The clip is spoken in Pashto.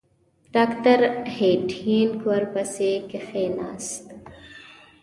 ډاکټر هینټیګ ورپسې کښېنست.